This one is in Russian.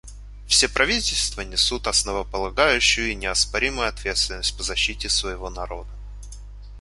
Все правительства несут основополагающую и неоспоримую ответственность по защите своего народа.